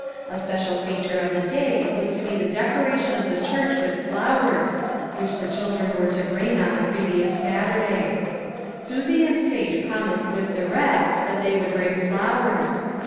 A special feature of the day was to be the decoration of the church with flowers, which A COMPLETE SUCCESS. 219 the children were to bring on the previous Sat urday. Susie and Sate promised with the rest, that they would bring flowers.